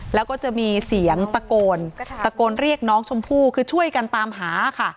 แล้วก็จะมีเสียงตะโกนตะโกนเรียกน้องชมพู่คือช่วยกันตามหาค่ะ